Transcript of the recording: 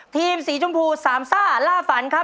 ทีมสีชมพูสามซ่าล่าฝันครับ